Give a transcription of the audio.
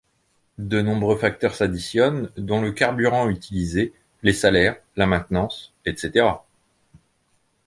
De nombreux facteurs s'additionnent dont le carburant utilisé, les salaires, la maintenance, etc.